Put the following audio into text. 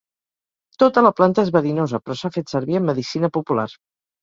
Tota la planta és verinosa, però s'ha fet servir en medicina popular.